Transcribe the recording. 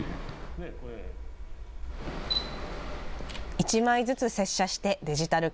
１枚ずつ接写して、デジタル化。